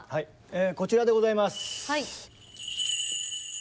こちらでございます。